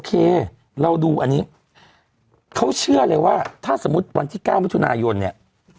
เคเราดูอันนี้เขาเชื่อเลยว่าถ้าสมมุติวันที่๙มิถุนายนเนี่ย